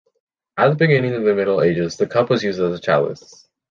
At the beginning of middle ages, the cup was used as chalice.